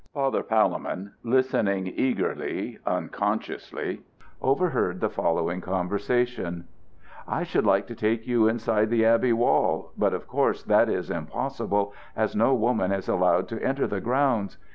Father Palemon, listening eagerly, unconsciously, overheard the following conversation: "I should like to take you inside the abbey wall, but, of course, that is impossible, as no woman is allowed to enter the grounds.